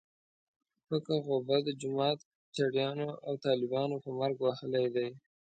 پک غوبه د جومات چړیانو او طالبانو په مرګ وهلی دی.